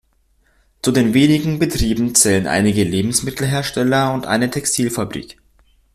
Zu den wenigen Betrieben zählen einige Lebensmittelhersteller und eine Textilfabrik.